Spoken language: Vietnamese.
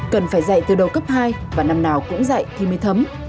cần phải dạy từ đầu cấp hai và năm nào cũng dạy thì mới thấm